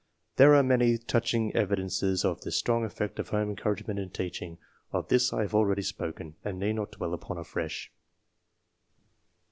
There are many touching evidences of the strong eflFect of home encouragement and teaching; of this I have already spoken, and need not dwell upon afresh.